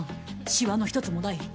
しわの１つもない。